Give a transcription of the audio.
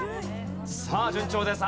さあ順調です。